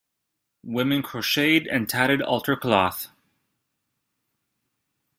Women crocheted and tatted altar cloths.